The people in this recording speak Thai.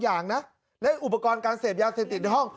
อย่างนะและอุปกรณ์การเสพยาเสพติดในห้อง